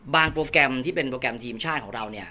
โปรแกรมที่เป็นโปรแกรมทีมชาติของเราเนี่ย